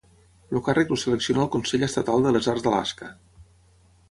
El càrrec el selecciona el Consell Estatal de les Arts d'Alaska.